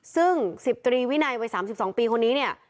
ซึ่ง๑๐ตรีวินัยวัย๓๒ปีคนนี้เนี่ย